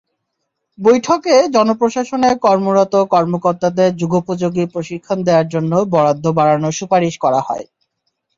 বৈঠকে জনপ্রশাসনে কর্মরত কর্মকর্তাদের যুগোপযোগী প্রশিক্ষণ দেওয়ার জন্য বরাদ্দ বাড়ানোর সুপারিশ করা হয়।